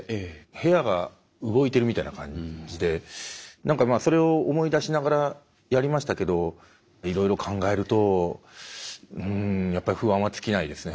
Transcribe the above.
部屋が動いてるみたいな感じで何かそれを思い出しながらやりましたけどいろいろ考えるとうんやっぱり不安は尽きないですね。